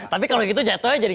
tapi kalau gitu jatuhnya jadi